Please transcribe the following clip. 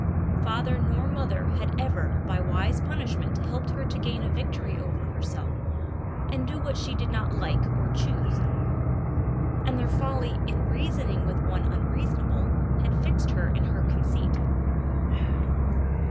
Father nor mother had ever by wise punishment helped her to gain a victory over herself, and do what she did not like or choose; and their folly in reasoning with one unreasonable had fixed her in her conceit.